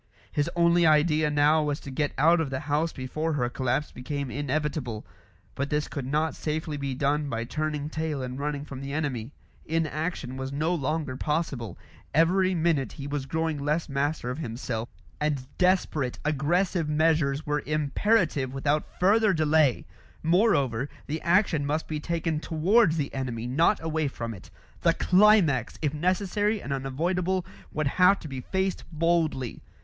His only idea now was to get out of the house before her collapse became inevitable; but this could not safely be done by turning tail and running from the enemy. Inaction was no longer possible; every minute he was growing less master of himself, and desperate, aggressive measures were imperative without further delay. Moreover, the action must be taken towards the enemy, not away from it; the climax, if necessary and unavoidable, would have to be faced boldly.